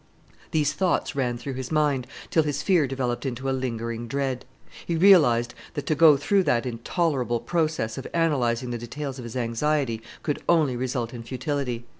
These thoughts ran through his mind, till his fear developed into a lingering dread. He realized that to go through that intolerable process of analyzing the details of his anxiety could only result in futility.